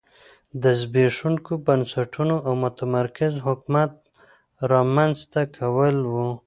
د زبېښونکو بنسټونو او متمرکز حکومت رامنځته کول و